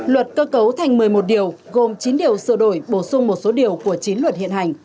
luật cơ cấu thành một mươi một điều gồm chín điều sửa đổi bổ sung một số điều của chín luật hiện hành